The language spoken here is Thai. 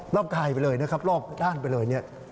กายไปเลยนะครับรอบด้านไปเลยเนี่ย